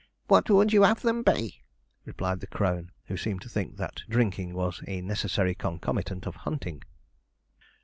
What would you have them be?' replied the crone, who seemed to think that drinking was a necessary concomitant of hunting.